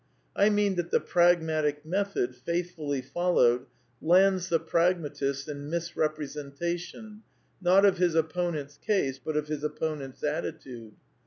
I mean that the pragmatic method, faithfully followed, lands the pragmatist in mis representation, not of his opponent's case, but of his op ponent's attitude.